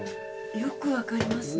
よく分かりますね？